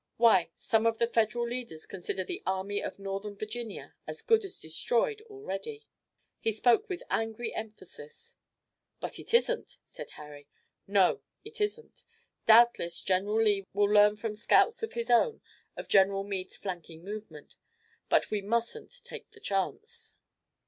Why, some of the Federal leaders consider the Army of Northern Virginia as good as destroyed already!" He spoke with angry emphasis. "But it isn't," said Harry. "No, it isn't. Doubtless General Lee will learn from scouts of his own of General Meade's flanking movement, but we mustn't take the chance.